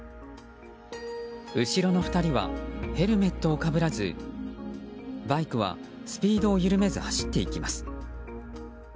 後ろの２人はヘルメットをかぶらずバイクはスピードを緩めず走っていきます。